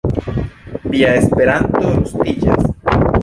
Via Esperanto rustiĝas.